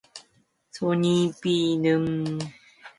선비는 어쩔 줄을 몰라서 돌아가는 와꾸를 바라보며 실끝을 찾으려고 애를 썼다.